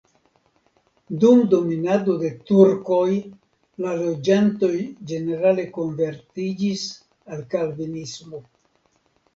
Dum dominado de turkoj la loĝantoj ĝenerale konvertiĝis al kalvinismo.